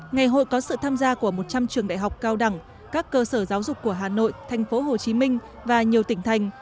ngày hội có sự tham gia của một trăm linh trường đại học cao đẳng các cơ sở giáo dục của hà nội thành phố hồ chí minh và nhiều tỉnh thành